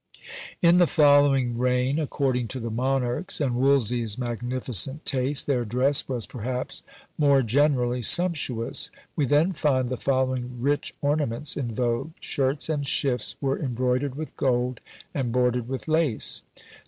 In the following reign, according to the monarch's and Wolsey's magnificent taste, their dress was, perhaps, more generally sumptuous. We then find the following rich ornaments in vogue. Shirts and shifts were embroidered with gold, and bordered with lace.